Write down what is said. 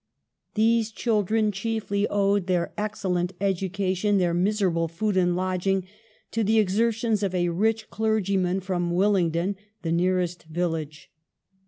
These children chiefly owed their excellent ed ucation, their miserable food and lodging, to the exertions of a rich clergyman from Willingdon, the nearest village.